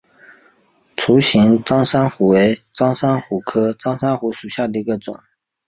笏形蕈珊瑚为蕈珊瑚科蕈珊瑚属下的一个种。